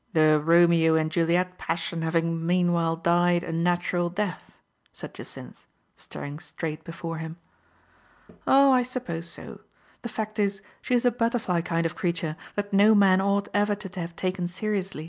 " The Romeo and Juliet passion having mean while died a natural death?'* said Jacynth, star ing straight before him. " Oh, I suppose' so. The fact is, she is a butter fly kind of creature that no man ought ever to have taken seriously."